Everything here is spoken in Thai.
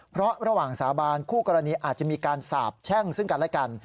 เพราะระหว่างสาบานคู่กรณีอาจจะมีการสาบแช่งซึ่งกันและกัน